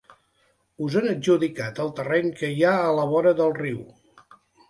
Us han adjudicat el terreny que hi ha a la vora del riu.